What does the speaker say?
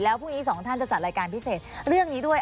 แล้วพรุ่งนี้สองท่านจะจัดรายการพิเศษเรื่องนี้ด้วย